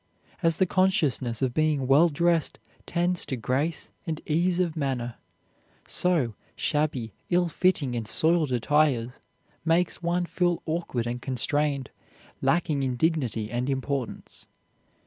As the consciousness of being well dressed tends to grace and ease of manner, so shabby, ill fitting, or soiled attire makes one feel awkward and constrained, lacking in dignity and importance.